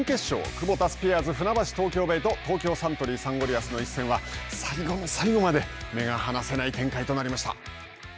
クボタスピアーズ船橋・東京ベイと東京サントリーサンゴリアスの一戦は最後の最後まで目が離せない展開になりました。